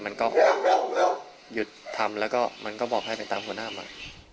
มันก็หยุดทำแล้วก็มันก็บอกให้ไปตามหัวหน้ามัน